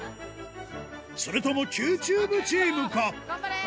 それともＱＴｕｂｅチームか？